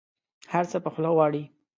هر څه په خوله غواړي.